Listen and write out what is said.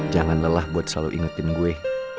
jangan lelah buat selalu ingetin gue